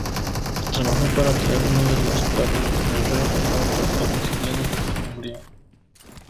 Trabajó para traer uno de los parientes del rey, Eduardo el Exiliado, desde Hungría.